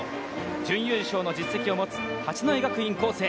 準優勝の実績を持つ八戸学院光星。